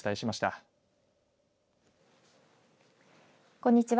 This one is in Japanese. こんにちは。